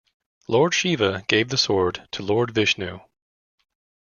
Lord Shiva gave the sword to Lord Vishnu.